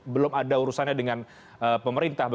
belum ada urusannya dengan pemerintah